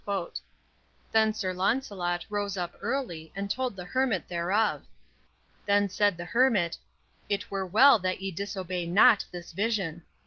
Then Sir Launcelot rose up early and told the hermit thereof. Then said the hermit, "It were well that ye disobey not this vision."